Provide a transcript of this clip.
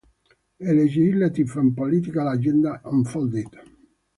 A legislative and political agenda unfolded.